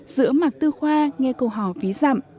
giữa mạc tư khoa nghe câu hò ví dặm